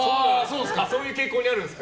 そういう傾向にあるんですか。